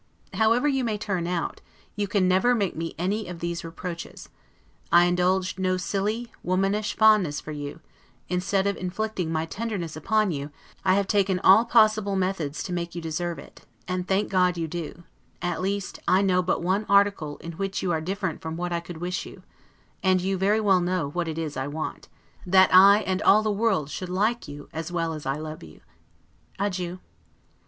However you may turn out, you can never make me any of these reproaches. I indulged no silly, womanish fondness for you; instead of inflicting my tenderness upon you, I have taken all possible methods to make you deserve it; and thank God you do; at least, I know but one article, in which you are different from what I could wish you; and you very well know what that is I want: That I and all the world should like you, as well as I love you. Adieu.